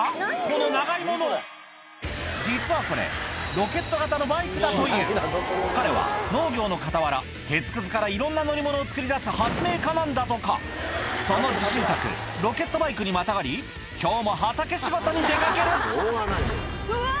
この長いもの実はこれ彼は農業の傍ら鉄くずからいろんな乗り物を作り出す発明家なんだとかその自信作ロケットバイクにまたがり今日も畑仕事に出掛けるうわ！